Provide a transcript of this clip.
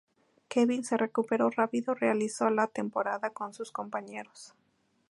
Kevin se recuperó rápido y realizó la pretemporada con sus compañeros.